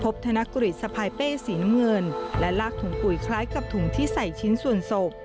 ธนกฤษสะพายเป้สีน้ำเงินและลากถุงปุ๋ยคล้ายกับถุงที่ใส่ชิ้นส่วนศพ